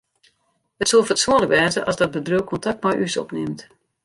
It soe fatsoenlik wêze as dat bedriuw kontakt mei ús opnimt.